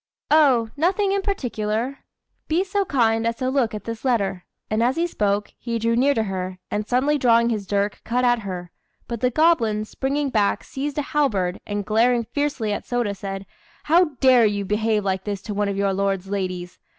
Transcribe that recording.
"Oh! nothing in particular. Be so look as to look at this letter;" and as he spoke, he drew near to her, and suddenly drawing his dirk cut at her; but the goblin, springing back, seized a halberd, and glaring fiercely at Sôda, said "How dare you behave like this to one of your lord's ladies?